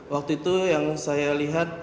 waktu itu yang saya lihat